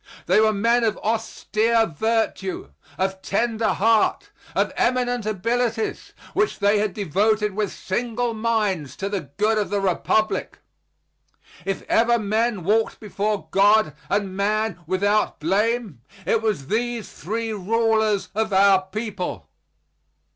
They were men of austere virtue, of tender heart, of eminent abilities, which they had devoted with single minds to the good of the Republic. If ever men walked before God and man without blame, it was these three rulers of our people.